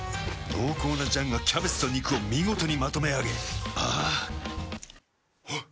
濃厚な醤がキャベツと肉を見事にまとめあげあぁあっ。